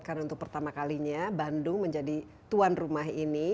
karena untuk pertama kalinya bandung menjadi tuan rumah ini